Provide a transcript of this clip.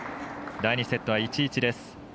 第２セットは１−１です。